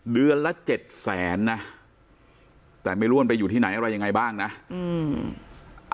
เดือนละเจ็ดแสนนะแต่ไม่รู้ว่ามันไปอยู่ที่ไหนอะไรยังไงบ้างนะอืม